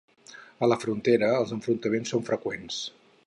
A la frontera els enfrontaments són freqüents.